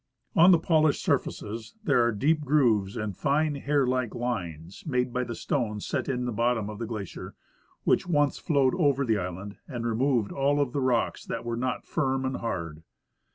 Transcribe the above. On the polished sur faces there are deep grooves and fine, hair like lines, made by the stones set in the bottom of the glacier which once flowed over the island and removed all of the rocks that Avere not firm and hard.